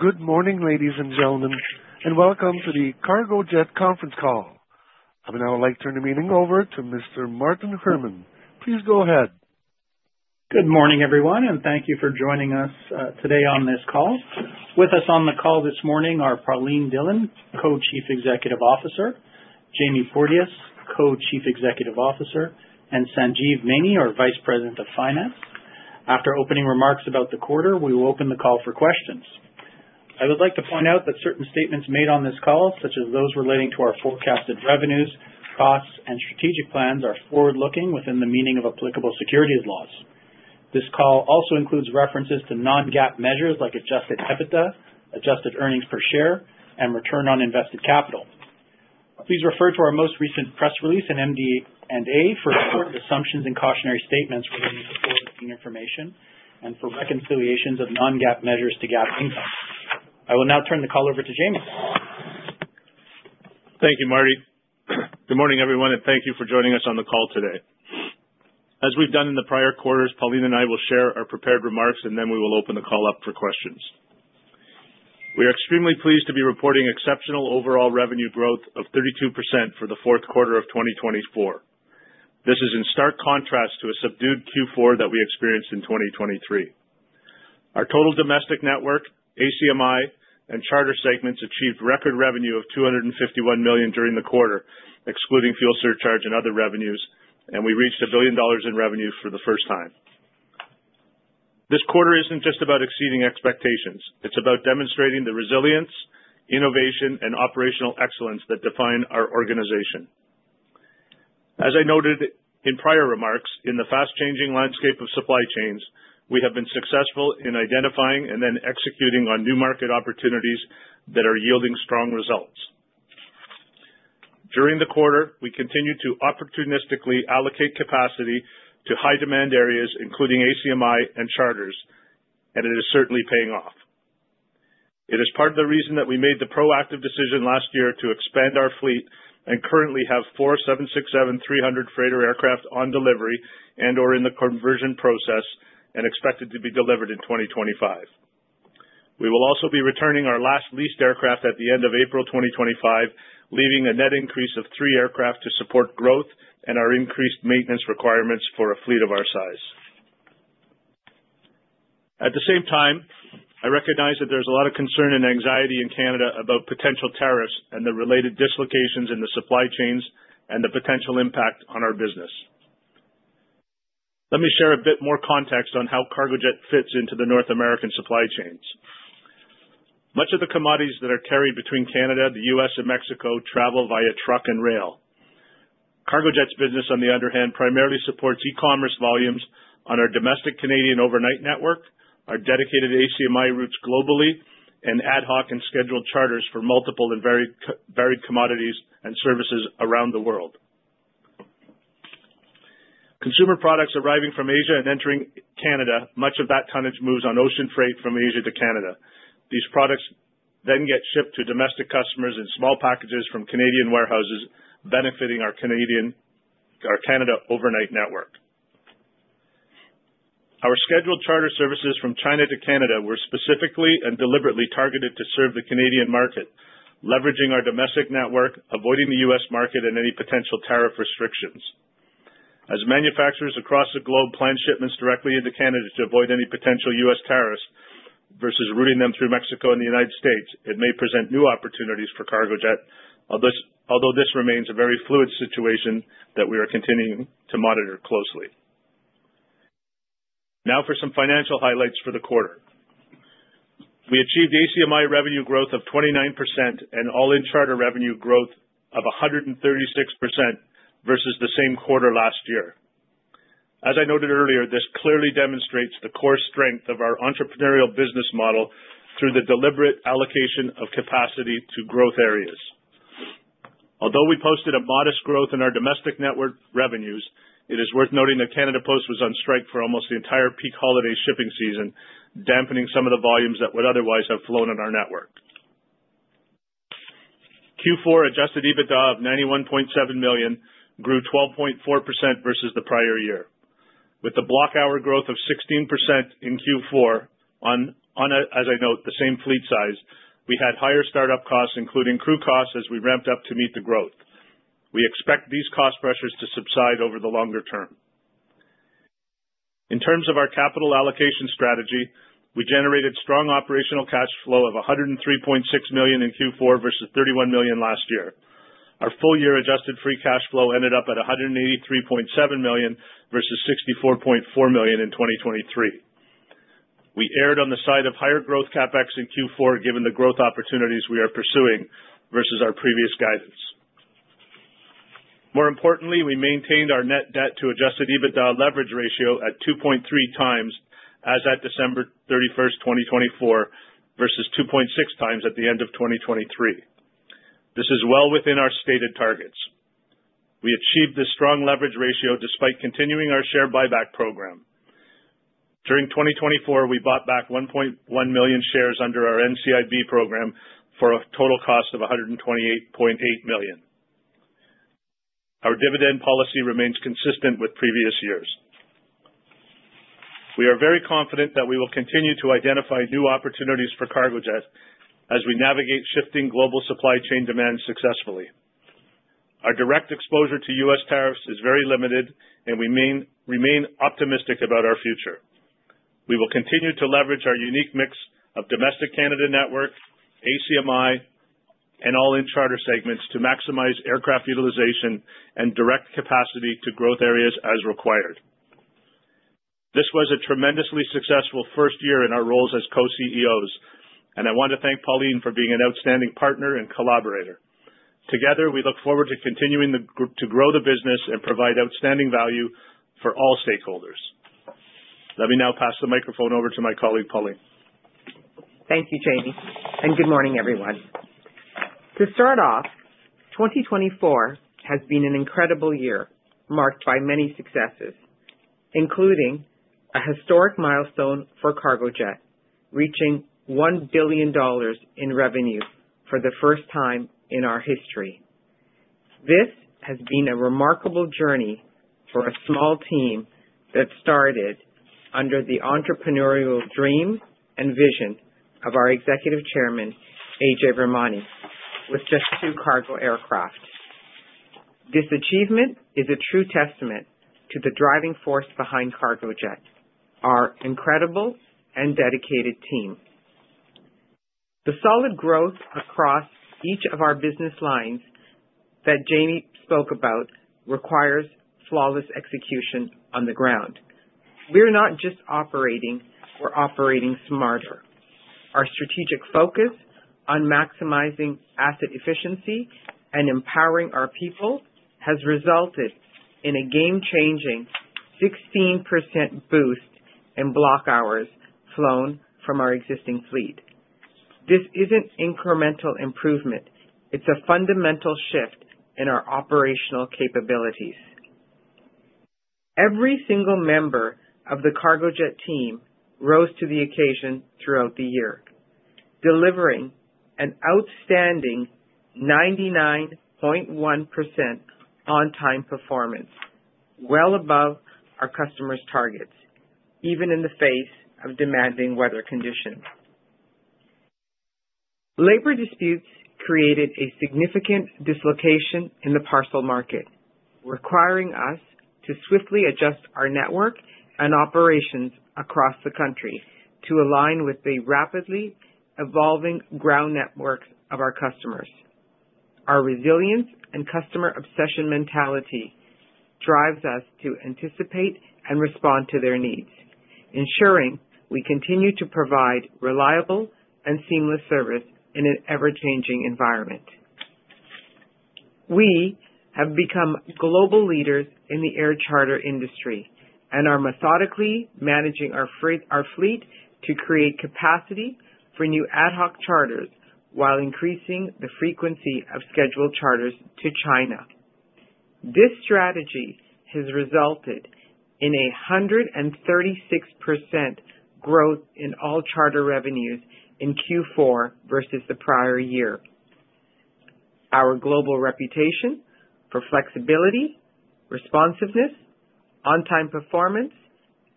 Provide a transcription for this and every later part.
Good morning, ladies and gentlemen, and welcome to the Cargojet conference call. I would now like to turn the meeting over to Mr. Martin Herman. Please go ahead. Good morning, everyone, and thank you for joining us today on this call. With us on the call this morning are Pauline Dhillon, Co-Chief Executive Officer, Jamie Porteous, Co-Chief Executive Officer, and Sanjeev Maini, our Vice President of Finance. After opening remarks about the quarter, we will open the call for questions. I would like to point out that certain statements made on this call, such as those relating to our forecasted revenues, costs, and strategic plans, are forward-looking within the meaning of applicable securities laws. This call also includes references to non-GAAP measures like adjusted EBITDA, adjusted earnings per share, and return on invested capital. Please refer to our most recent press release and MD&A for important assumptions and cautionary statements relating to forward-looking information and for reconciliations of non-GAAP measures to GAAP income. I will now turn the call over to Jamie. Thank you, Marty. Good morning, everyone, and thank you for joining us on the call today. As we've done in the prior quarters, Pauline and I will share our prepared remarks, and then we will open the call up for questions. We are extremely pleased to be reporting exceptional overall revenue growth of 32% for the fourth quarter of 2024. This is in stark contrast to a subdued Q4 that we experienced in 2023. Our total domestic network, ACMI, and charter segments achieved record revenue of 251 million during the quarter, excluding fuel surcharge and other revenues, and we reached 1 billion dollars in revenue for the first time. This quarter isn't just about exceeding expectations. It's about demonstrating the resilience, innovation, and operational excellence that define our organization. As I noted in prior remarks, in the fast-changing landscape of supply chains, we have been successful in identifying and then executing on new market opportunities that are yielding strong results. During the quarter, we continued to opportunistically allocate capacity to high-demand areas, including ACMI and charters, and it is certainly paying off. It is part of the reason that we made the proactive decision last year to expand our fleet and currently have four 767-300 freighter aircraft on delivery and/or in the conversion process and expected to be delivered in 2025. We will also be returning our last leased aircraft at the end of April 2025, leaving a net increase of three aircraft to support growth and our increased maintenance requirements for a fleet of our size. At the same time, I recognize that there's a lot of concern and anxiety in Canada about potential tariffs and the related dislocations in the supply chains and the potential impact on our business. Let me share a bit more context on how Cargojet fits into the North American supply chains. Much of the commodities that are carried between Canada, the US, and Mexico travel via truck and rail. Cargojet's business, on the other hand, primarily supports e-commerce volumes on our domestic Canadian overnight network, our dedicated ACMI routes globally, and ad hoc and scheduled charters for multiple and varied commodities and services around the world. Consumer products arriving from Asia and entering Canada, much of that tonnage moves on ocean freight from Asia to Canada. These products then get shipped to domestic customers in small packages from Canadian warehouses, benefiting our Canada overnight network. Our scheduled charter services from China to Canada were specifically and deliberately targeted to serve the Canadian market, leveraging our domestic network, avoiding the US market and any potential tariff restrictions. As manufacturers across the globe plan shipments directly into Canada to avoid any potential US tariffs versus routing them through Mexico and the United States, it may present new opportunities for Cargojet, although this remains a very fluid situation that we are continuing to monitor closely. Now for some financial highlights for the quarter. We achieved ACMI revenue growth of 29% and all-in charter revenue growth of 136% versus the same quarter last year. As I noted earlier, this clearly demonstrates the core strength of our entrepreneurial business model through the deliberate allocation of capacity to growth areas. Although we posted a modest growth in our domestic network revenues, it is worth noting that Canada Post was on strike for almost the entire peak holiday shipping season, dampening some of the volumes that would otherwise have flown on our network. Q4 Adjusted EBITDA of 91.7 million grew 12.4% versus the prior year. With the block-hour growth of 16% in Q4, as I note, the same fleet size, we had higher startup costs, including crew costs, as we ramped up to meet the growth. We expect these cost pressures to subside over the longer term. In terms of our capital allocation strategy, we generated strong operational cash flow of 103.6 million in Q4 versus 31 million last year. Our full-year Adjusted free cash flow ended up at 183.7 million versus 64.4 million in 2023. We erred on the side of higher growth CapEx in Q4 given the growth opportunities we are pursuing versus our previous guidance. More importantly, we maintained our net debt-to-adjusted EBITDA leverage ratio at 2.3 times as at December 31, 2024, versus 2.6 times at the end of 2023. This is well within our stated targets. We achieved this strong leverage ratio despite continuing our share buyback program. During 2024, we bought back 1.1 million shares under our NCIB program for a total cost of 128.8 million. Our dividend policy remains consistent with previous years. We are very confident that we will continue to identify new opportunities for Cargojet as we navigate shifting global supply chain demands successfully. Our direct exposure to US tariffs is very limited, and we remain optimistic about our future. We will continue to leverage our unique mix of domestic Canada network, ACMI, and all-in charter segments to maximize aircraft utilization and direct capacity to growth areas as required. This was a tremendously successful first year in our roles as Co-CEOs, and I want to thank Pauline for being an outstanding partner and collaborator. Together, we look forward to continuing to grow the business and provide outstanding value for all stakeholders. Let me now pass the microphone over to my colleague, Pauline. Thank you, Jamie, and good morning, everyone. To start off, 2024 has been an incredible year marked by many successes, including a historic milestone for Cargojet, reaching $1 billion in revenue for the first time in our history. This has been a remarkable journey for a small team that started under the entrepreneurial dream and vision of our Executive Chairman, Ajay Virmani, with just two cargo aircraft. This achievement is a true testament to the driving force behind Cargojet, our incredible and dedicated team. The solid growth across each of our business lines that Jamie spoke about requires flawless execution on the ground. We're not just operating. We're operating smarter. Our strategic focus on maximizing asset efficiency and empowering our people has resulted in a game-changing 16% boost in block hours flown from our existing fleet. This isn't incremental improvement. It's a fundamental shift in our operational capabilities. Every single member of the Cargojet team rose to the occasion throughout the year, delivering an outstanding 99.1% on-time performance, well above our customers' targets, even in the face of demanding weather conditions. Labor disputes created a significant dislocation in the parcel market, requiring us to swiftly adjust our network and operations across the country to align with the rapidly evolving ground networks of our customers. Our resilience and customer obsession mentality drives us to anticipate and respond to their needs, ensuring we continue to provide reliable and seamless service in an ever-changing environment. We have become global leaders in the air charter industry and are methodically managing our fleet to create capacity for new ad hoc charters while increasing the frequency of scheduled charters to China. This strategy has resulted in a 136% growth in all charter revenues in Q4 versus the prior year. Our global reputation for flexibility, responsiveness, on-time performance,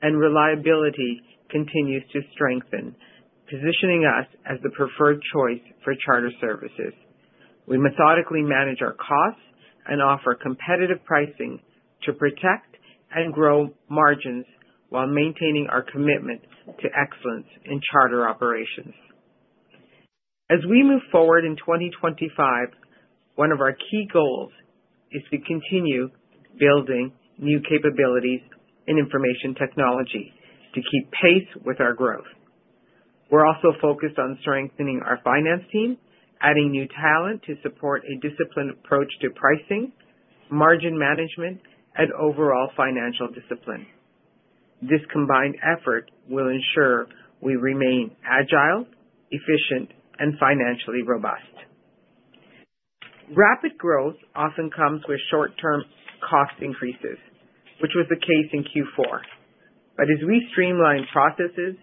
and reliability continues to strengthen, positioning us as the preferred choice for charter services. We methodically manage our costs and offer competitive pricing to protect and grow margins while maintaining our commitment to excellence in charter operations. As we move forward in 2025, one of our key goals is to continue building new capabilities in information technology to keep pace with our growth. We're also focused on strengthening our finance team, adding new talent to support a disciplined approach to pricing, margin management, and overall financial discipline. This combined effort will ensure we remain agile, efficient, and financially robust. Rapid growth often comes with short-term cost increases, which was the case in Q4. But as we streamline processes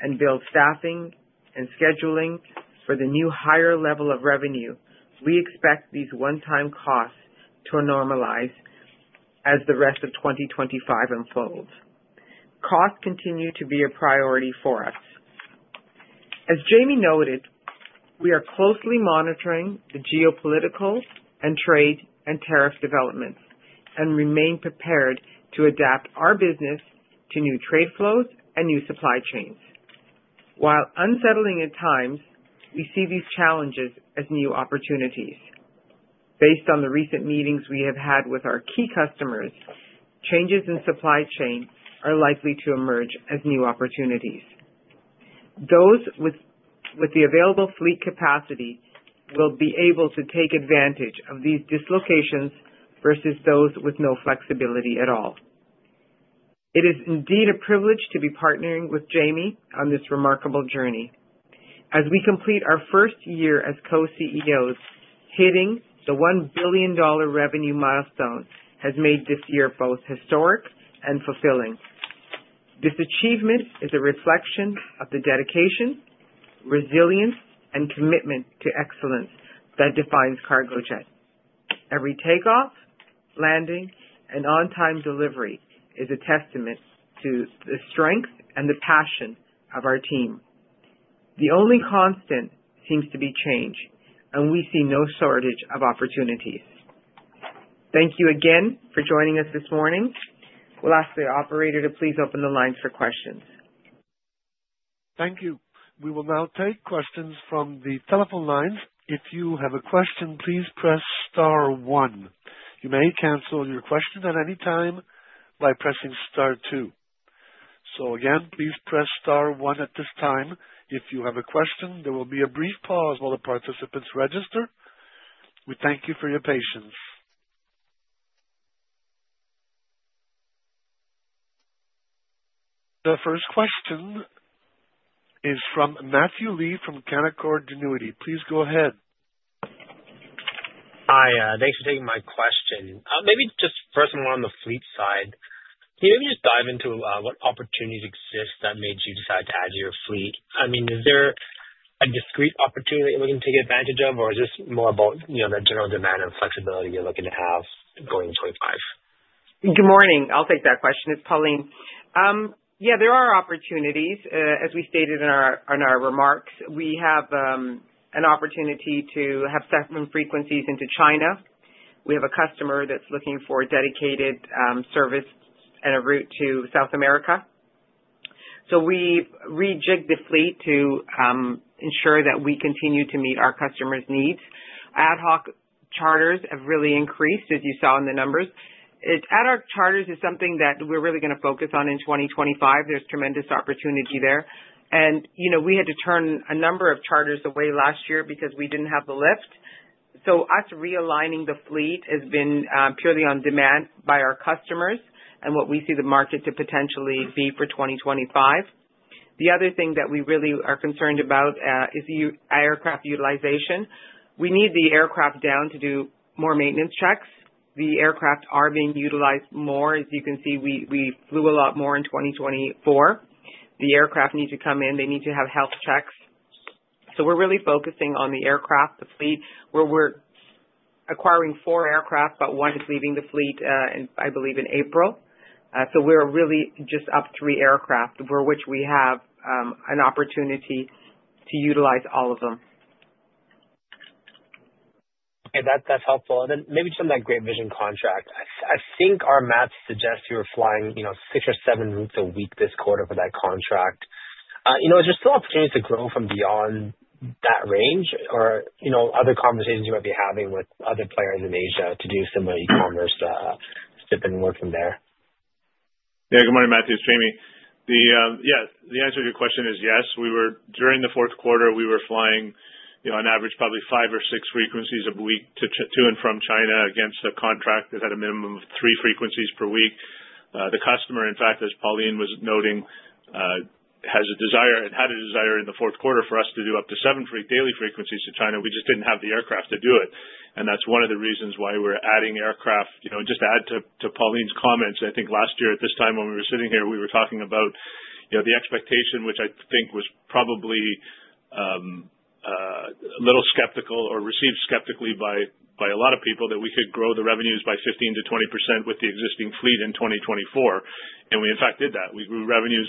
and build staffing and scheduling for the new higher level of revenue, we expect these one-time costs to normalize as the rest of 2025 unfolds. Costs continue to be a priority for us. As Jamie noted, we are closely monitoring the geopolitical and trade and tariff developments and remain prepared to adapt our business to new trade flows and new supply chains. While unsettling at times, we see these challenges as new opportunities. Based on the recent meetings we have had with our key customers, changes in supply chain are likely to emerge as new opportunities. Those with the available fleet capacity will be able to take advantage of these dislocations versus those with no flexibility at all. It is indeed a privilege to be partnering with Jamie on this remarkable journey. As we complete our first year as Co-CEOs, hitting the $1 billion revenue milestone has made this year both historic and fulfilling. This achievement is a reflection of the dedication, resilience, and commitment to excellence that defines Cargojet. Every takeoff, landing, and on-time delivery is a testament to the strength and the passion of our team. The only constant seems to be change, and we see no shortage of opportunities. Thank you again for joining us this morning. We'll ask the operator to please open the lines for questions. Thank you. We will now take questions from the telephone lines. If you have a question, please press Star 1. You may cancel your question at any time by pressing Star 2. Again, please press Star 1 at this time if you have a question. There will be a brief pause while the participants register. We thank you for your patience. The first question is from Matthew Lee from Canaccord Genuity. Please go ahead. Hi. Thanks for taking my question. Maybe just first of all, on the fleet side, can you maybe just dive into what opportunities exist that made you decide to add your fleet? I mean, is there a discrete opportunity that you're looking to take advantage of, or is this more about the general demand and flexibility you're looking to have going into 2025? Good morning. I'll take that question. It's Pauline. Yeah, there are opportunities. As we stated in our remarks, we have an opportunity to have separate frequencies into China. We have a customer that's looking for a dedicated service and a route to South America. So we rejigged the fleet to ensure that we continue to meet our customers' needs. Ad hoc charters have really increased, as you saw in the numbers. Ad hoc charters is something that we're really going to focus on in 2025. There's tremendous opportunity there. And we had to turn a number of charters away last year because we didn't have the lift. So us realigning the fleet has been purely on demand by our customers and what we see the market to potentially be for 2025. The other thing that we really are concerned about is aircraft utilization. We need the aircraft down to do more maintenance checks. The aircraft are being utilized more. As you can see, we flew a lot more in 2024. The aircraft need to come in. They need to have health checks. So we're really focusing on the aircraft, the fleet. We're acquiring four aircraft, but one is leaving the fleet, I believe, in April. So we're really just up three aircraft, for which we have an opportunity to utilize all of them. Okay. That's helpful. And then maybe just on that Great Vision contract. I think our maps suggest you were flying six or seven routes a week this quarter for that contract. Is there still opportunity to grow beyond that range, or other conversations you might be having with other players in Asia to do similar e-commerce shipping work from there? Yeah. Good morning, Matthew. It's Jamie. Yes, the answer to your question is yes. During the fourth quarter, we were flying on average probably five or six frequencies a week to and from China against a contract that had a minimum of three frequencies per week. The customer, in fact, as Pauline was noting, had a desire in the fourth quarter for us to do up to seven daily frequencies to China. We just didn't have the aircraft to do it. And that's one of the reasons why we're adding aircraft. Just to add to Pauline's comments, I think last year at this time when we were sitting here, we were talking about the expectation, which I think was probably a little skeptical or received skeptically by a lot of people, that we could grow the revenues by 15%-20% with the existing fleet in 2024. And we, in fact, did that. We grew revenues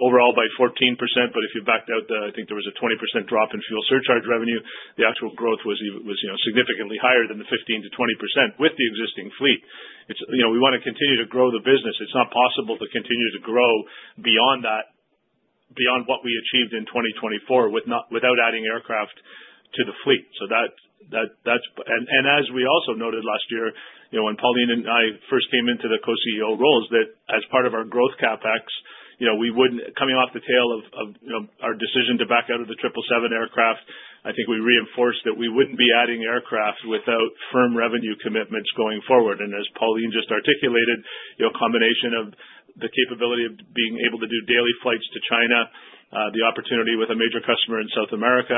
overall by 14%. But if you backed out, I think there was a 20% drop in fuel surcharge revenue. The actual growth was significantly higher than the 15%-20% with the existing fleet. We want to continue to grow the business. It's not possible to continue to grow beyond what we achieved in 2024 without adding aircraft to the fleet. And as we also noted last year, when Pauline and I first came into the Co-CEO roles, that as part of our growth CapEx, coming off the tail of our decision to back out of the 777 aircraft, I think we reinforced that we wouldn't be adding aircraft without firm revenue commitments going forward. And as Pauline just articulated, a combination of the capability of being able to do daily flights to China, the opportunity with a major customer in South America,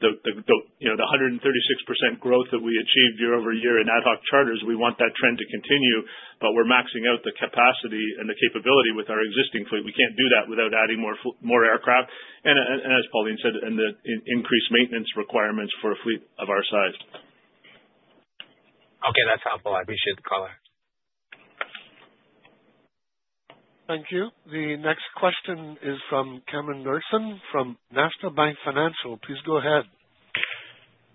the 136% growth that we achieved year over year in ad hoc charters, we want that trend to continue, but we're maxing out the capacity and the capability with our existing fleet. We can't do that without adding more aircraft, and as Pauline said, and the increased maintenance requirements for a fleet of our size. Okay. That's helpful. I appreciate the caller. Thank you. The next question is from Cameron Doerksen from National Bank Financial. Please go ahead.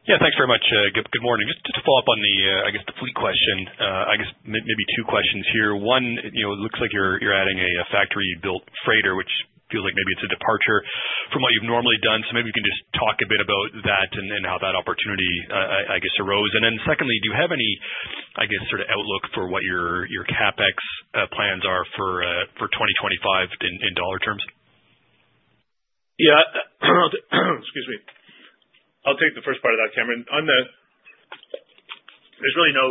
Yeah. Thanks very much. Good morning. Just to follow up on the, I guess, the fleet question, I guess maybe two questions here. One, it looks like you're adding a factory freighter, which feels like maybe it's a departure from what you've normally done. So maybe you can just talk a bit about that and how that opportunity, I guess, arose. And then secondly, do you have any, I guess, sort of outlook for what your CapEx plans are for 2025 in dollar terms? Yeah. Excuse me. I'll take the first part of that, Cameron. There's really no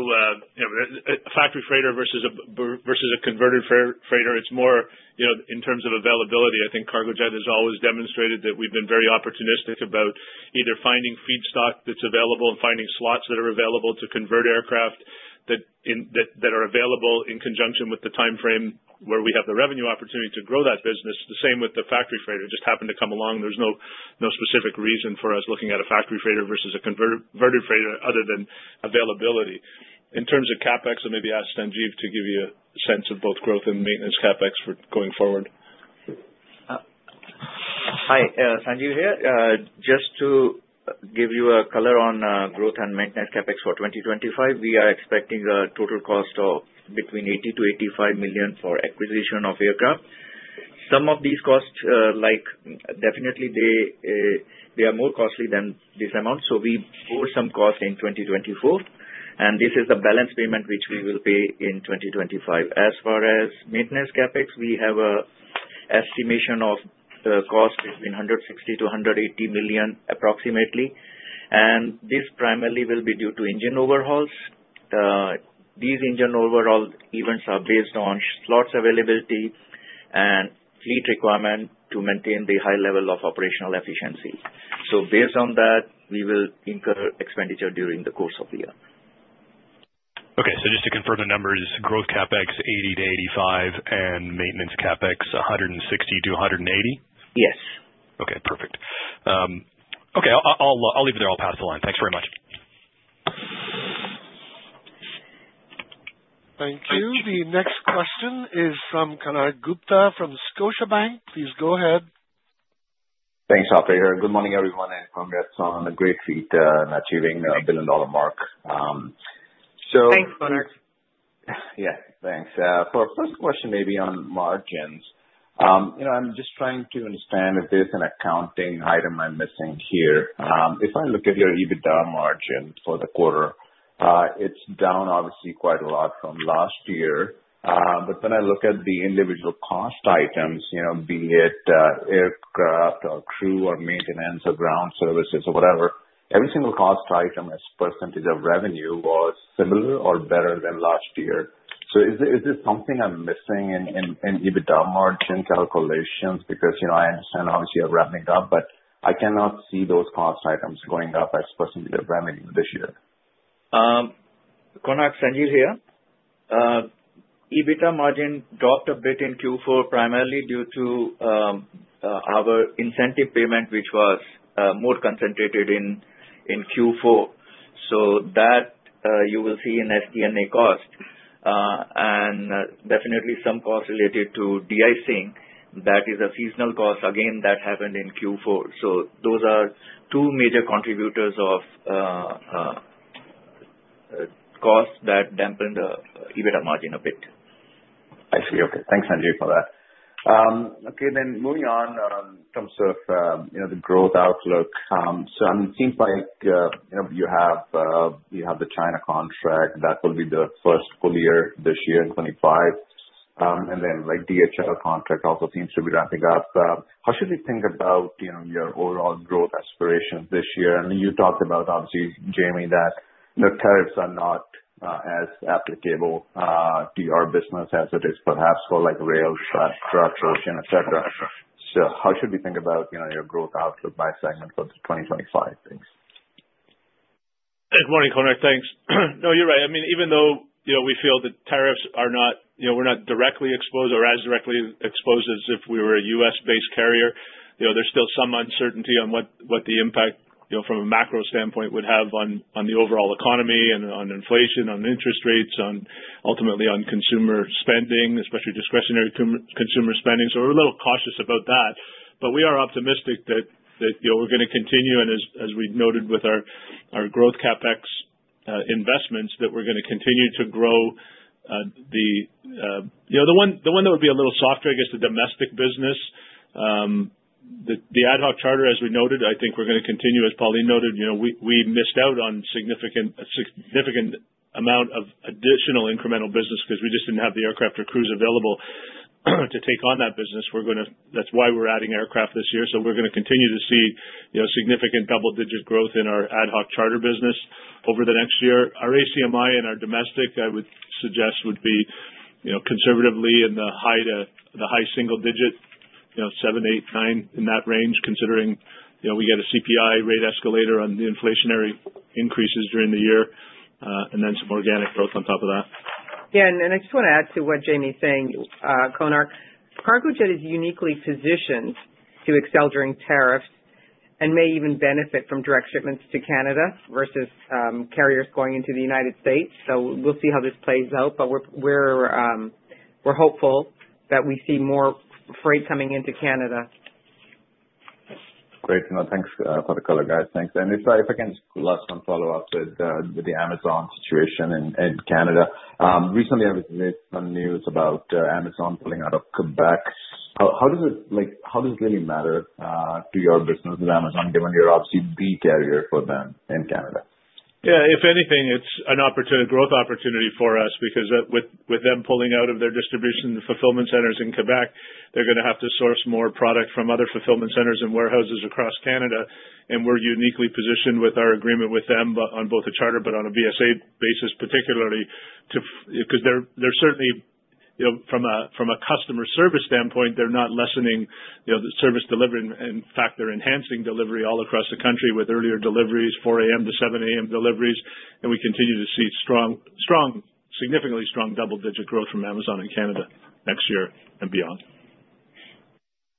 factory freighter versus a converted freighter. It's more in terms of availability. I think Cargojet has always demonstrated that we've been very opportunistic about either finding feedstock that's available and finding slots that are available to convert aircraft that are available in conjunction with the timeframe where we have the revenue opportunity to grow that business. The same with the factory freighter. It just happened to come along. There's no specific reason for us looking at a factory freighter versus a converted freighter other than availability. In terms of CapEx, I maybe ask Sanjeev to give you a sense of both growth and maintenance CapEx for going forward. Hi. Sanjeev here. Just to give you a color on growth and Maintenance CapEx for 2025, we are expecting a total cost of between $80 million to $85 million for acquisition of aircraft. Some of these costs, definitely, they are more costly than this amount, so we pulled some costs in 2024, and this is the balance payment which we will pay in 2025. As far as maintenance CapEx, we have an estimation of cost between $160 million to $180 million approximately, and this primarily will be due to engine overhauls. These engine overhaul events are based on slots availability and fleet requirement to maintain the high level of operational efficiency, so based on that, we will incur expenditure during the course of the year. Okay. So just to confirm the numbers, growth CapEx 80-85 and maintenance CapEx 160-180? Yes. Okay. Perfect. Okay. I'll leave it there. I'll pass the line. Thanks very much. Thank you. The next question is from Konark Gupta from Scotiabank. Please go ahead. Thanks, Safir. Good morning, everyone, and congrats on a great feat in achieving a billion-dollar mark. So. Thanks, Konark. Yeah. Thanks. For our first question, maybe on margins, I'm just trying to understand if there's an accounting item I'm missing here. If I look at your EBITDA margin for the quarter, it's down obviously quite a lot from last year. But when I look at the individual cost items, be it aircraft or crew or maintenance or ground services or whatever, every single cost item as a % of revenue was similar or better than last year. So is this something I'm missing in EBITDA margin calculations? Because I understand obviously you're ramping up, but I cannot see those cost items going up as a % of revenue this year. Konark, Sanjeev here. EBITDA margin dropped a bit in Q4 primarily due to our incentive payment, which was more concentrated in Q4, so that you will see in SG&A cost, and definitely some cost related to de-icing, that is a seasonal cost. Again, that happened in Q4, so those are two major contributors of cost that dampened the EBITDA margin a bit. I see. Okay. Thanks, Sanjeev, for that. Okay. Then moving on in terms of the growth outlook. So it seems like you have the China contract that will be the first full year this year in 2025. And then DHL contract also seems to be ramping up. How should we think about your overall growth aspirations this year? I mean, you talked about, obviously, Jamie, that the tariffs are not as applicable to your business as it is perhaps for rail, truck, ocean, etc. So how should we think about your growth outlook by segment for the 2025 things? Good morning, Conrad. Thanks. No, you're right. I mean, even though we feel that tariffs are not, we're not directly exposed or as directly exposed as if we were a US-based carrier, there's still some uncertainty on what the impact from a macro standpoint would have on the overall economy and on inflation, on interest rates, ultimately on consumer spending, especially discretionary consumer spending. So we're a little cautious about that. But we are optimistic that we're going to continue, and as we noted with our growth CapEx investments, that we're going to continue to grow the one that would be a little softer, I guess, the domestic business. The ad hoc charter, as we noted, I think we're going to continue. As Pauline noted, we missed out on a significant amount of additional incremental business because we just didn't have the aircraft or crews available to take on that business. That's why we're adding aircraft this year. So we're going to continue to see significant double-digit growth in our ad hoc charter business over the next year. Our ACMI and our domestic, I would suggest, would be conservatively in the high single digit, seven, eight, nine, in that range, considering we get a CPI rate escalator on the inflationary increases during the year, and then some organic growth on top of that. Yeah. And I just want to add to what Jamie's saying, Conrad. Cargojet is uniquely positioned to excel during tariffs and may even benefit from direct shipments to Canada versus carriers going into the United States. So we'll see how this plays out, but we're hopeful that we see more freight coming into Canada. Great. Thanks for the call, guys. Thanks, and if I can just one last follow up with the Amazon situation in Canada. Recently, I was in some news about Amazon pulling out of Quebec. How does it really matter to your business with Amazon, given you're obviously the carrier for them in Canada? Yeah. If anything, it's an opportunity growth opportunity for us because with them pulling out of their distribution fulfillment centers in Quebec, they're going to have to source more product from other fulfillment centers and warehouses across Canada. And we're uniquely positioned with our agreement with them on both a charter but on a BSA basis, particularly because they're certainly from a customer service standpoint, they're not lessening service delivery. In fact, they're enhancing delivery all across the country with earlier deliveries, 4:00 A.M. to 7:00 A.M. deliveries. And we continue to see significantly strong double-digit growth from Amazon in Canada next year and beyond.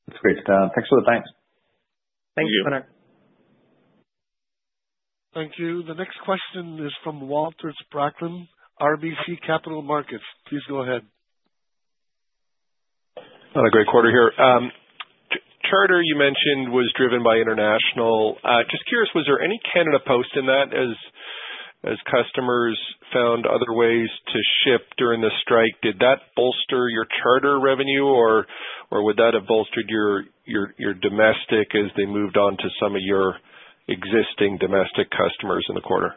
That's great. Thanks for the thanks. Thank you, Conrad. Thank you. The next question is from Walter Spracklin, RBC Capital Markets. Please go ahead. Another great quarter here. Charter you mentioned was driven by international. Just curious, was there any Canada Post in that as customers found other ways to ship during the strike? Did that bolster your charter revenue, or would that have bolstered your domestic as they moved on to some of your existing domestic customers in the quarter?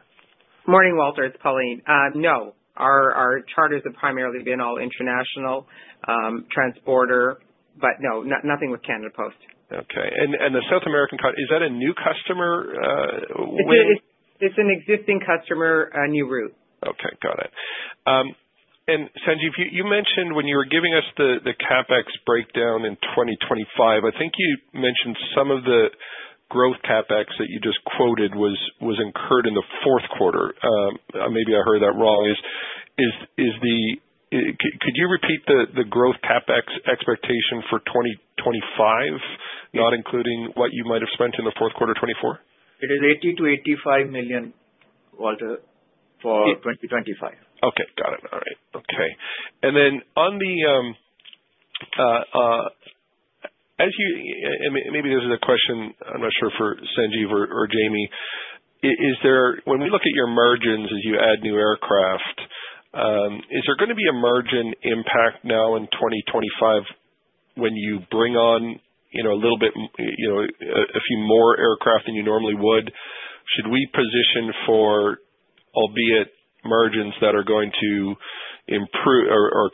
Morning, Walter. It's Pauline. No. Our charters have primarily been all international, trans-border, but no, nothing with Canada Post. Okay. And the South American charter, is that a new customer? It's an existing customer, a new route. Okay. Got it. And Sanjeev, you mentioned when you were giving us the CapEx breakdown in 2025, I think you mentioned some of the growth CapEx that you just quoted was incurred in the fourth quarter. Maybe I heard that wrong. Could you repeat the growth CapEx expectation for 2025, not including what you might have spent in the fourth quarter 2024? It is $80 million-$85 million, Walter, for 2025. Okay. Got it. All right. Okay. And then, maybe this is a question. I'm not sure for Sanjeev or Jamie. When we look at your margins as you add new aircraft, is there going to be a margin impact now in 2025 when you bring on a little bit a few more aircraft than you normally would? Should we position for, albeit margins that are going to improve or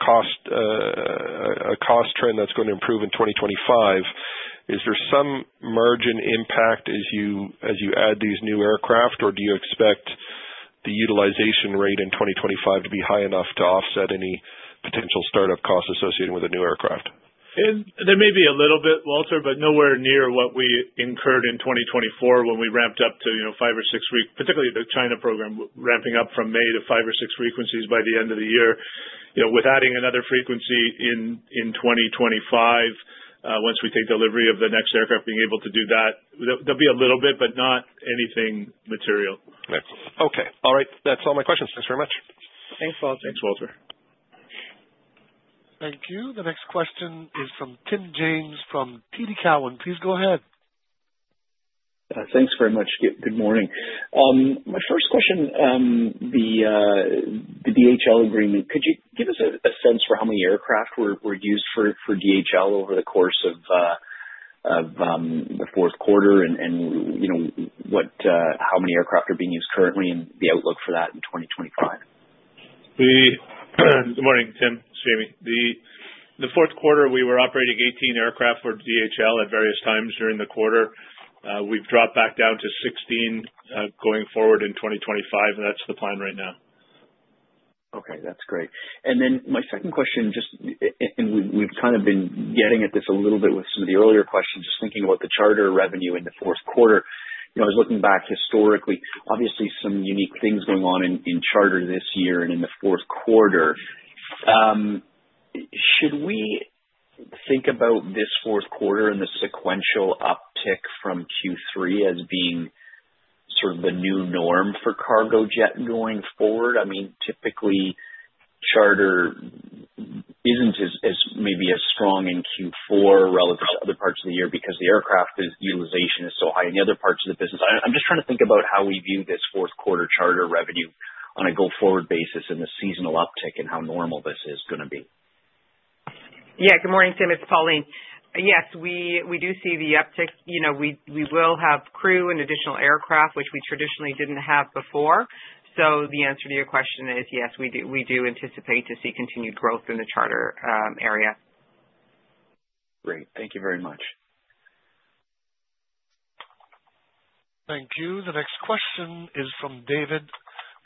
a cost trend that's going to improve in 2025, is there some margin impact as you add these new aircraft, or do you expect the utilization rate in 2025 to be high enough to offset any potential startup costs associated with a new aircraft? There may be a little bit, Walter, but nowhere near what we incurred in 2024 when we ramped up to five or six weeks, particularly the China program ramping up from May to five or six frequencies by the end of the year. With adding another frequency in 2025, once we take delivery of the next aircraft, being able to do that, there'll be a little bit, but not anything material. Okay. All right. That's all my questions. Thanks very much. Thanks, Walter. Thanks, Walter. Thank you. The next question is from Tim James from TD Cowen. Please go ahead. Thanks very much. Good morning. My first question, the DHL agreement, could you give us a sense for how many aircraft were used for DHL over the course of the fourth quarter and how many aircraft are being used currently and the outlook for that in 2025? Good morning, Tim. It's Jamie. The fourth quarter, we were operating 18 aircraft for DHL at various times during the quarter. We've dropped back down to 16 going forward in 2025, and that's the plan right now. Okay. That's great. And then my second question, and we've kind of been getting at this a little bit with some of the earlier questions, just thinking about the charter revenue in the fourth quarter, I was looking back historically, obviously some unique things going on in charter this year and in the fourth quarter. Should we think about this fourth quarter and the sequential uptick from Q3 as being sort of the new norm for Cargojet going forward? I mean, typically, charter isn't maybe as strong in Q4 relative to other parts of the year because the aircraft utilization is so high in the other parts of the business. I'm just trying to think about how we view this fourth quarter charter revenue on a go-forward basis and the seasonal uptick and how normal this is going to be. Yeah. Good morning, Tim. It's Pauline. Yes, we do see the uptick. We will have crew and additional aircraft, which we traditionally didn't have before. So the answer to your question is yes, we do anticipate to see continued growth in the charter area. Great. Thank you very much. Thank you. The next question is from David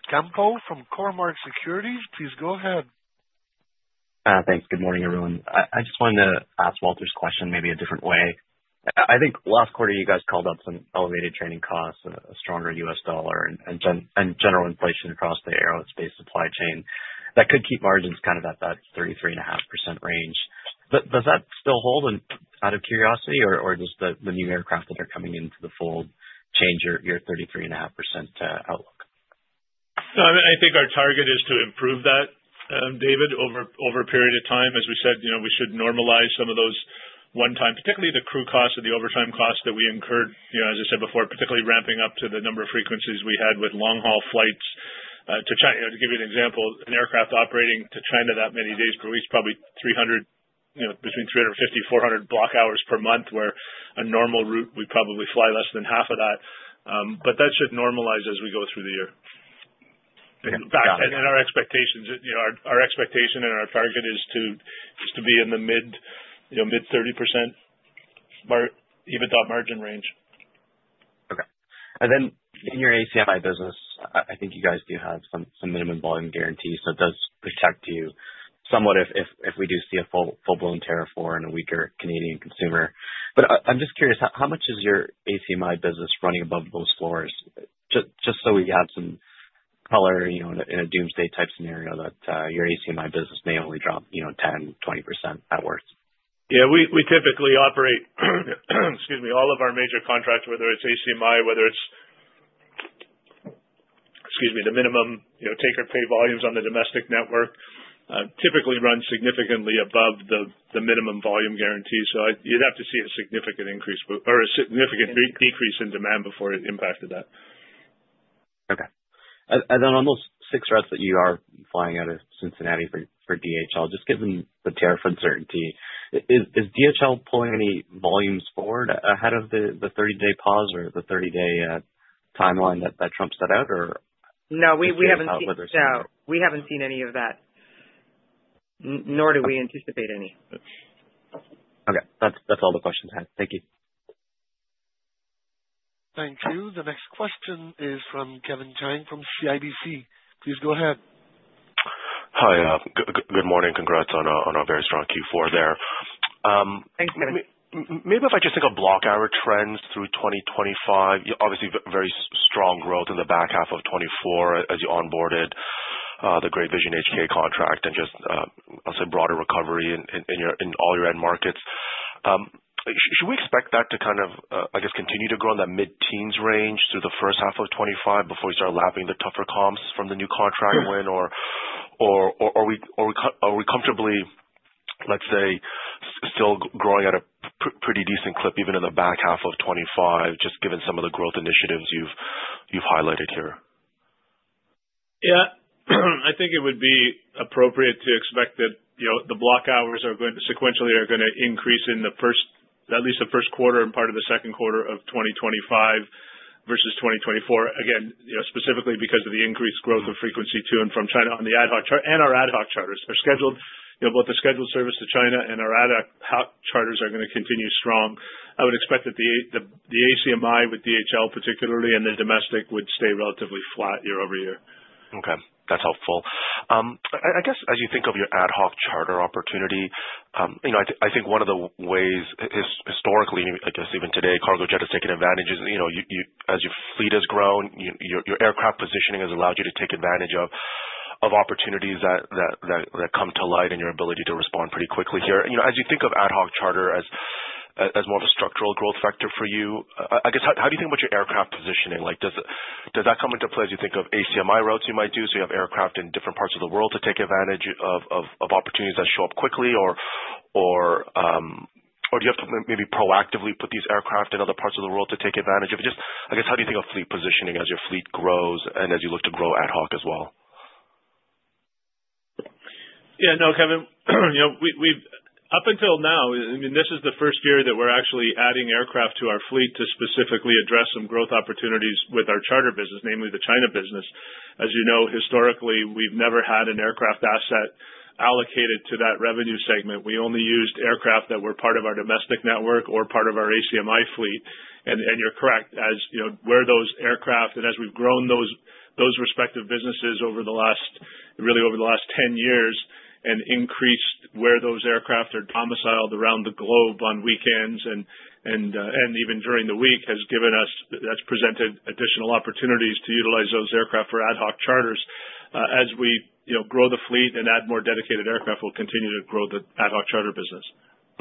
Campo from Cormark Securities. Please go ahead. Thanks. Good morning, everyone. I just wanted to ask Walter's question maybe a different way. I think last quarter, you guys called up some elevated training costs, a stronger US dollar, and general inflation across the aerospace supply chain. That could keep margins kind of at that 33.5% range. Does that still hold out of curiosity, or does the new aircraft that are coming into the fold change your 33.5% outlook? No, I think our target is to improve that, David, over a period of time. As we said, we should normalize some of those one-time, particularly the crew costs and the overtime costs that we incurred, as I said before, particularly ramping up to the number of frequencies we had with long-haul flights. To give you an example, an aircraft operating to China that many days per week is probably between 350-400 block hours per month, where a normal route, we probably fly less than half of that. But that should normalize as we go through the year. And our expectation and our target is to be in the mid-30% EBITDA margin range. Okay. And then in your ACMI business, I think you guys do have some minimum volume guarantee. So it does protect you somewhat if we do see a full-blown tariff war on a weaker Canadian consumer. But I'm just curious, how much is your ACMI business running above those floors? Just so we have some color in a doomsday type scenario that your ACMI business may only drop 10%-20% at worst. Yeah. We typically operate, excuse me, all of our major contracts, whether it's ACMI, whether it's, excuse me, the minimum take or pay volumes on the domestic network typically run significantly above the minimum volume guarantee. So you'd have to see a significant increase or a significant decrease in demand before it impacted that. Okay, and then on those six routes that you are flying out of Cincinnati for DHL, just given the tariff uncertainty, is DHL pulling any volumes forward ahead of the 30-day pause or the 30-day timeline that Trump set out, or how does that work with their schedule? No, we haven't seen any of that, nor do we anticipate any. Okay. That's all the questions I had. Thank you. Thank you. The next question is from Kevin Chiang from CIBC. Please go ahead. Hi. Good morning. Congrats on a very strong Q4 there. Thanks, Kevin. Maybe if I just think of block hours trends through 2025, obviously very strong growth in the back half of 2024 as you onboarded the Great Vision HK contract and just, I'll say, broader recovery in all your end markets. Should we expect that to kind of, I guess, continue to grow in that mid-teens range through the first half of 2025 before we start lapping the tougher comps from the new contract win, or are we comfortably, let's say, still growing at a pretty decent clip even in the back half of 2025, just given some of the growth initiatives you've highlighted here? Yeah. I think it would be appropriate to expect that the block hours are going to sequentially increase in at least the first quarter and part of the second quarter of 2025 versus 2024. Again, specifically because of the increased growth of frequency to and from China on the ad hoc and our ad hoc charters. Both the scheduled service to China and our ad hoc charters are going to continue strong. I would expect that the ACMI with DHL, particularly, and the domestic would stay relatively flat year over year. Okay. That's helpful. I guess as you think of your ad hoc charter opportunity, I think one of the ways historically, I guess even today, Cargojet has taken advantage as your fleet has grown, your aircraft positioning has allowed you to take advantage of opportunities that come to light and your ability to respond pretty quickly here. As you think of ad hoc charter as more of a structural growth factor for you, I guess, how do you think about your aircraft positioning? Does that come into play as you think of ACMI routes you might do? So you have aircraft in different parts of the world to take advantage of opportunities that show up quickly, or do you have to maybe proactively put these aircraft in other parts of the world to take advantage of it? Just, I guess, how do you think of fleet positioning as your fleet grows and as you look to grow ad hoc as well? Yeah. No, Kevin. Up until now, I mean, this is the first year that we're actually adding aircraft to our fleet to specifically address some growth opportunities with our charter business, namely the China business. As you know, historically, we've never had an aircraft asset allocated to that revenue segment. We only used aircraft that were part of our domestic network or part of our ACMI fleet. And you're correct as where those aircraft and as we've grown those respective businesses over the last, really over the last 10 years and increased where those aircraft are domiciled around the globe on weekends and even during the week has given us, has presented additional opportunities to utilize those aircraft for ad hoc charters. As we grow the fleet and add more dedicated aircraft, we'll continue to grow the ad hoc charter business.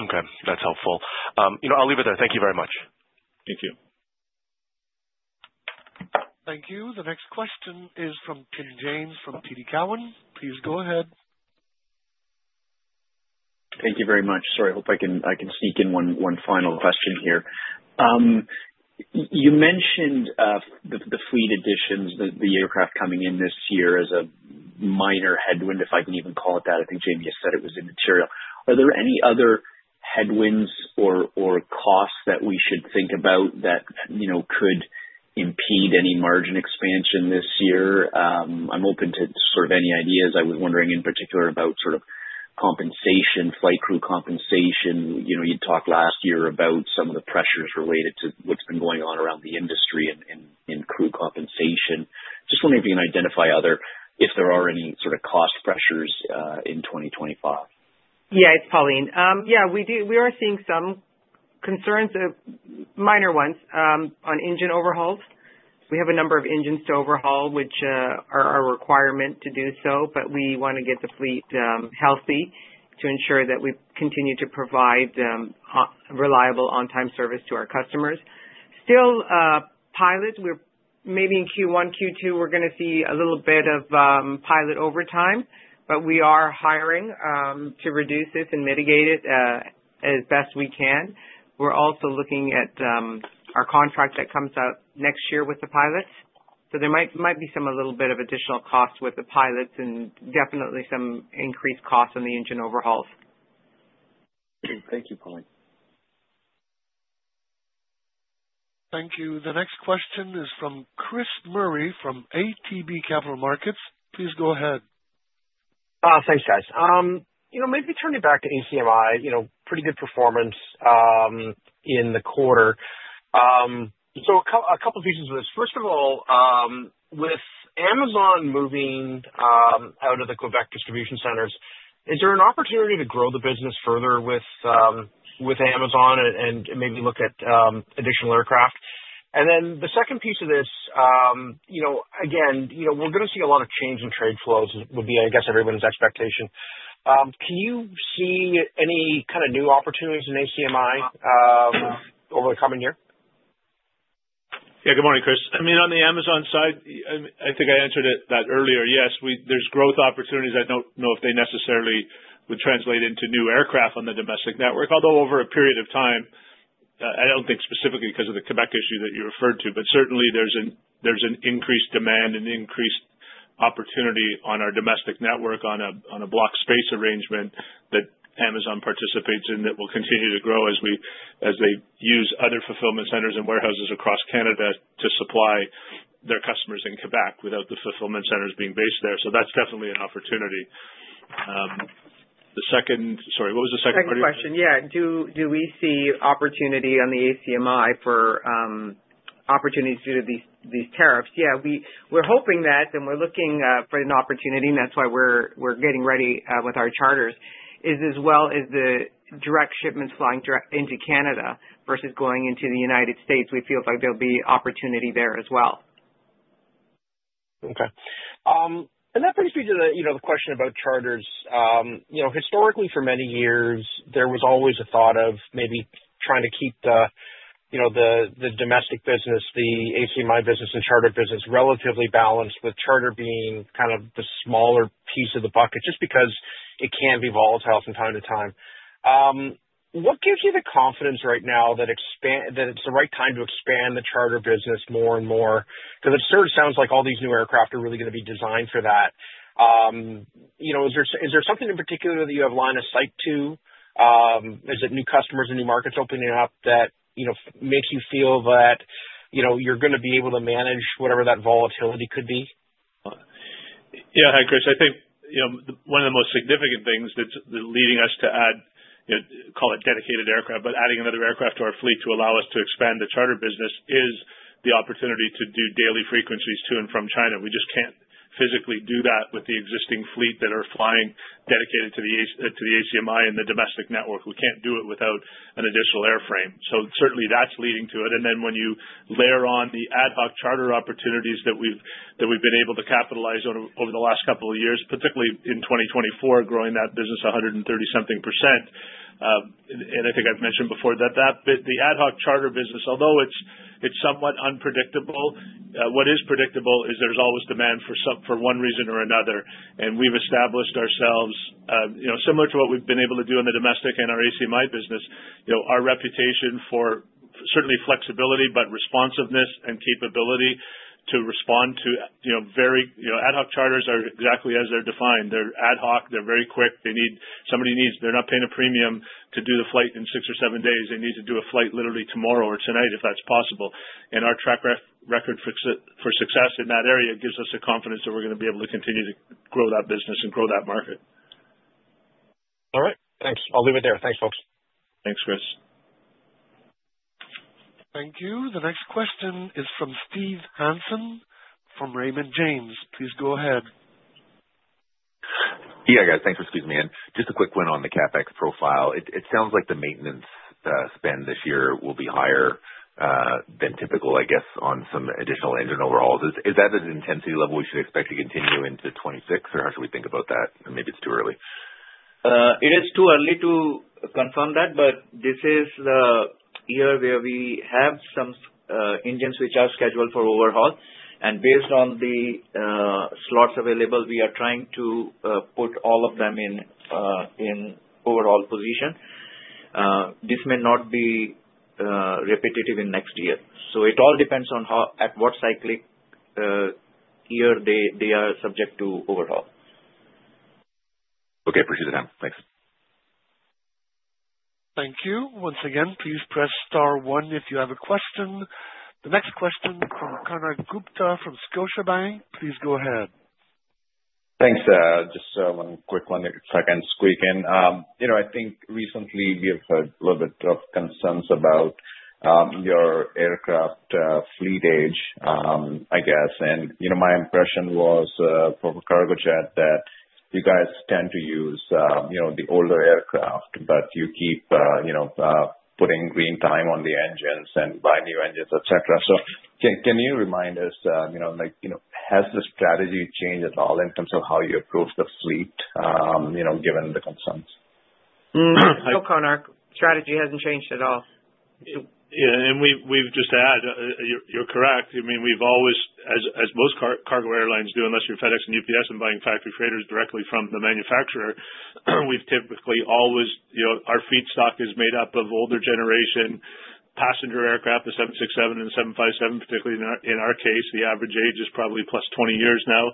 Okay. That's helpful. I'll leave it there. Thank you very much. Thank you. Thank you. The next question is from Tim James from TD Cowen. Please go ahead. Thank you very much. Sorry, I hope I can sneak in one final question here. You mentioned the fleet additions, the aircraft coming in this year as a minor headwind, if I can even call it that. I think Jamie just said it was immaterial. Are there any other headwinds or costs that we should think about that could impede any margin expansion this year? I'm open to sort of any ideas. I was wondering in particular about sort of compensation, flight crew compensation. You'd talked last year about some of the pressures related to what's been going on around the industry in crew compensation. Just wondering if you can identify other, if there are any sort of cost pressures in 2025. Yeah, it's Pauline. Yeah, we are seeing some concerns, minor ones, on engine overhauls. We have a number of engines to overhaul, which are a requirement to do so, but we want to get the fleet healthy to ensure that we continue to provide reliable on-time service to our customers. Still, pilots, maybe in Q1, Q2, we're going to see a little bit of pilot overtime, but we are hiring to reduce this and mitigate it as best we can. We're also looking at our contract that comes out next year with the pilots. So there might be some, a little bit of additional cost with the pilots and definitely some increased costs on the engine overhauls. Thank you, Pauline. Thank you. The next question is from Chris Murray from ATB Capital Markets. Please go ahead. Thanks, guys. Maybe turning back to ACMI, pretty good performance in the quarter. So a couple of pieces of this. First of all, with Amazon moving out of the Quebec distribution centers, is there an opportunity to grow the business further with Amazon and maybe look at additional aircraft? And then the second piece of this, again, we're going to see a lot of change in trade flows, would be, I guess, everyone's expectation. Can you see any kind of new opportunities in ACMI over the coming year? Yeah. Good morning, Chris. I mean, on the Amazon side, I think I answered that earlier. Yes, there's growth opportunities. I don't know if they necessarily would translate into new aircraft on the domestic network. Although over a period of time, I don't think specifically because of the Quebec issue that you referred to, but certainly there's an increased demand and increased opportunity on our domestic network on a block space arrangement that Amazon participates in that will continue to grow as they use other fulfillment centers and warehouses across Canada to supply their customers in Quebec without the fulfillment centers being based there. So that's definitely an opportunity. The second, sorry, what was the second question? Second question. Yeah. Do we see opportunity on the ACMI for opportunities due to these tariffs? Yeah. We're hoping that, and we're looking for an opportunity, and that's why we're getting ready with our charters, as well as the direct shipments flying direct into Canada versus going into the United States. We feel like there'll be opportunity there as well. Okay. And that brings me to the question about charters. Historically, for many years, there was always a thought of maybe trying to keep the domestic business, the ACMI business, and charter business relatively balanced with charter being kind of the smaller piece of the bucket just because it can be volatile from time to time. What gives you the confidence right now that it's the right time to expand the charter business more and more? Because it sort of sounds like all these new aircraft are really going to be designed for that. Is there something in particular that you have lined up to? Is it new customers and new markets opening up that makes you feel that you're going to be able to manage whatever that volatility could be? Yeah. Hi, Chris. I think one of the most significant things that's leading us to add, call it dedicated aircraft, but adding another aircraft to our fleet to allow us to expand the charter business is the opportunity to do daily frequencies to and from China. We just can't physically do that with the existing fleet that are flying dedicated to the ACMI and the domestic network. We can't do it without an additional airframe. So certainly, that's leading to it. And then when you layer on the ad hoc charter opportunities that we've been able to capitalize on over the last couple of years, particularly in 2024, growing that business 130-something%. And I think I've mentioned before that the ad hoc charter business, although it's somewhat unpredictable, what is predictable is there's always demand for one reason or another. And we've established ourselves, similar to what we've been able to do in the domestic and our ACMI business, our reputation for, certainly, flexibility, but responsiveness and capability to respond to very ad hoc charters are exactly as they're defined. They're ad hoc. They're very quick. They need somebody needs they're not paying a premium to do the flight in six or seven days. They need to do a flight literally tomorrow or tonight if that's possible. And our track record for success in that area gives us the confidence that we're going to be able to continue to grow that business and grow that market. All right. Thanks. I'll leave it there. Thanks, folks. Thanks, Chris. Thank you. The next question is from Steve Hansen from Raymond James. Please go ahead. Yeah, guys. Thanks for squeezing me in. Just a quick one on the CapEx profile. It sounds like the maintenance spend this year will be higher than typical, I guess, on some additional engine overhauls. Is that an intensity level we should expect to continue into 2026, or how should we think about that? Maybe it's too early. It is too early to confirm that, but this is the year where we have some engines which are scheduled for overhaul. And based on the slots available, we are trying to put all of them in overhaul position. This may not be repetitive in next year. So it all depends on at what cyclic year they are subject to overhaul. Okay. Appreciate the time. Thanks. Thank you. Once again, please press star one if you have a question. The next question from Konark Gupta from Scotiabank. Please go ahead. Thanks. Just one quick one that I can squeak in. I think recently we have heard a little bit of concerns about your aircraft fleet age, I guess. And my impression was from Cargojet that you guys tend to use the older aircraft, but you keep putting green time on the engines and buy new engines, etc. So can you remind us, has the strategy changed at all in terms of how you approach the fleet given the concerns? No, Konark. Strategy hasn't changed at all. Yeah. And we've just had you're correct. I mean, we've always, as most cargo airlines do, unless you're FedEx and UPS and buying factory freighters directly from the manufacturer, we've typically always our fleet stock is made up of older generation passenger aircraft, the 767 and 757, particularly in our case. The average age is probably plus 20 years now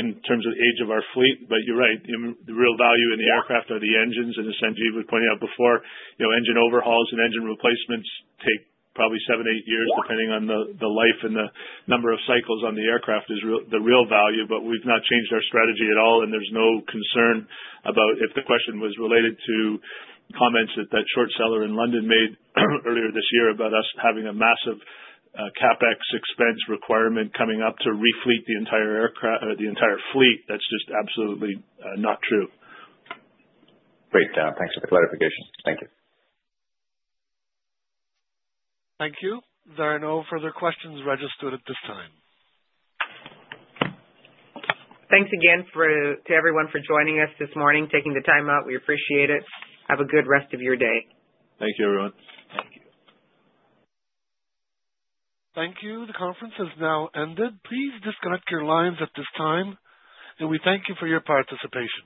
in terms of the age of our fleet. But you're right. The real value in the aircraft are the engines. And as Sanjeev was pointing out before, engine overhauls and engine replacements take probably seven, eight years depending on the life and the number of cycles on the aircraft is the real value. But we've not changed our strategy at all, and there's no concern about if the question was related to comments that that short seller in London made earlier this year about us having a massive CapEx expense requirement coming up to refleet the entire fleet. That's just absolutely not true. Great. Thanks for the clarification. Thank you. Thank you. There are no further questions registered at this time. Thanks again to everyone for joining us this morning, taking the time out. We appreciate it. Have a good rest of your day. Thank you, everyone. Thank you. Thank you. The conference has now ended. Please disconnect your lines at this time, and we thank you for your participation.